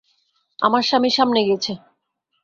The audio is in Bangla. আমার স্বামী সামনে গেছে।